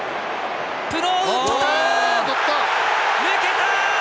抜けた！